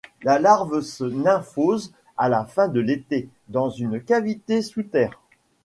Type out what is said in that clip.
La larve se nymphose à la fin de l'été dans une cavité sous terre.